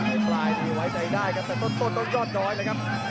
ในปลายนี้ไว้ใจได้ครับแต่ต้นต้นยอดน้อยเลยครับ